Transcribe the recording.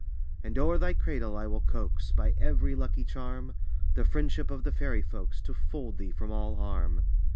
And o'er thy cradle I will coax, By every lucky charm, The friendship of the fairy folks To fold thee from all harm.